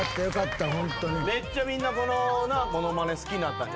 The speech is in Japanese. めっちゃみんなこの。